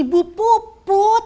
pada hamilan ibu puput